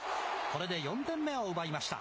これで４点目を奪いました。